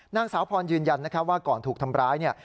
นางสาวพรยืนยันว่าก่อนถูกทำร้าย